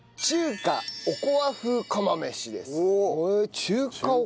中華おこわ風釜飯。